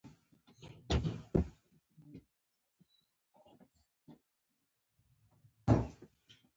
هغوی په کورنۍ جګړه او پرتمین انقلاب کې مهم رول ولوباوه.